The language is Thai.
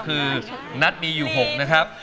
คือนัดมีอยู่๖นะครับ